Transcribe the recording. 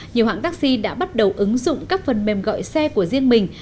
nhiều hãng taxi đã bắt đầu ứng dụng các phần mềm gọi xe của riêng mình